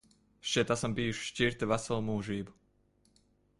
Šķiet, esam bijuši šķirti veselu mūžību.